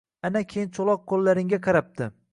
Ana keyin cho‘loq qo‘llaringga qarabdi